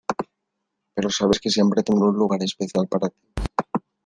Pero sabes que siempre tendrá un lugar especial para ti.